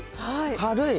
軽い。